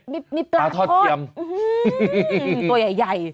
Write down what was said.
มีปลาทอดอืมมมมมมมมมมตัวใหญ่